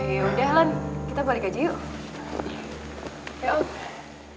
yaudah lah kita balik aja yuk